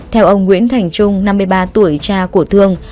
theo ông nguyễn thành trung năm mươi ba tuổi cha của thương